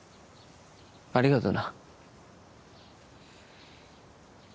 ありがとな。